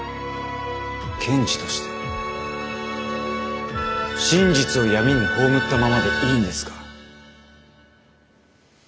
検事として真実を闇に葬ったままでいいんですか？